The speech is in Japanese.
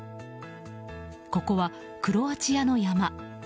ここはクロアチアの山。